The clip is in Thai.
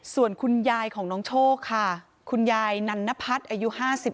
ส่วนคุณยายของน้องโชคค่ะคุณยายนันนพัฒน์อายุ๕๓